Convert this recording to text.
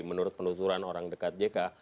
menurut penelusuran orang dekat jk